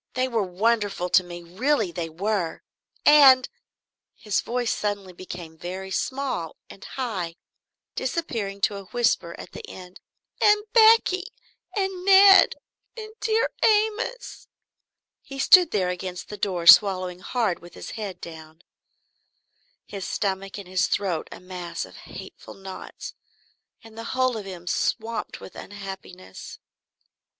They were wonderful to me, really they were! And" his voice suddenly became very small and high, disappearing to a whisper at the end "and Becky and Ned and dear Amos " He stood there against the door, swallowing hard with his head down, his stomach and his throat a mass of hateful knots and the whole of him swamped with unhappiness.